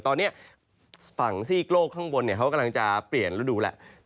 ตอนนี้ฝั่งซี่โกลกข้างบนเนี่ยเค้ากำลังจะเปลี่ยนรูดูแหละ